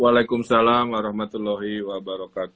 waalaikumsalam warahmatullahi wabarakatuh